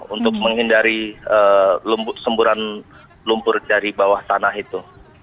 untuk menghindari semburan lumpur dari bawah tanah itu